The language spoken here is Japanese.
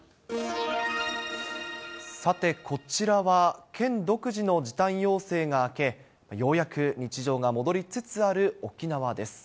さてこちらは、県独自の時短要請が明け、ようやく日常が戻りつつある沖縄です。